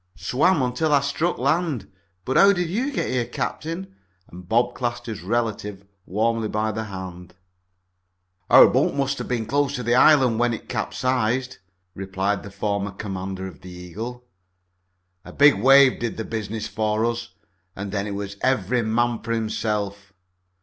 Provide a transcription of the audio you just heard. "Swam until I struck land. But how did you get here, captain?" and Bob clasped his relative warmly by the hand. "Our boat must have been close to the island when it capsized," replied the former commander of the Eagle. "A big wave did the business for us, and then it was every man for himself.